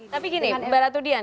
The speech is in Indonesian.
tapi gini mbak ratudian